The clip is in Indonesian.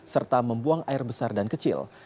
serta membuang air besar dan kecil